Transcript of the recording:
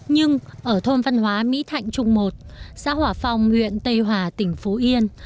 nhưng ở thôn văn hóa mỹ thạnh trung một xã hỏa phong nguyện tây hòa tỉnh phú yên